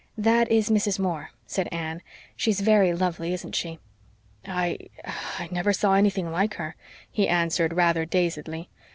"That is Mrs. Moore," said Anne. "She is very lovely, isn't she?" "I I never saw anything like her," he answered, rather dazedly.